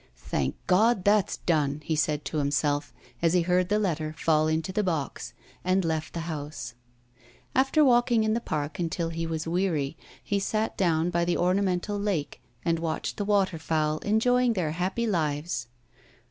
"Thank God, that's done!" he said to himself, as he heard the letter fall into the box, and left the house. After walking in the Park until he was weary, he sat down by the ornamental lake, and watched the waterfowl enjoying their happy lives.